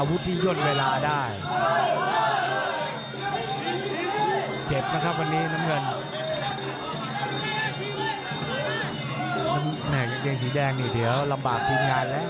พี่แดงสีแดงนี่เดี๋ยวลำบากทิ้งงานล่ะ